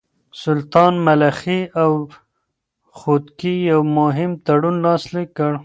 سلطان ملخي او خودکي يو مهم تړون لاسليک کړ.